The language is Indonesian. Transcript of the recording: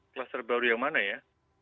kluster baru yang mana ya